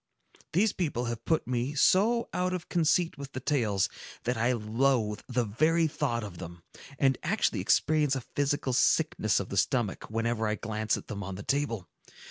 These people have put me so out of conceit with the tales, that I loathe the very thought of them, and actually experience a physical sickness of the stomach, whenever I glance at them on the table.